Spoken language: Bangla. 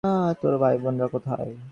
তোর ভাই-বোন রা কোথায়?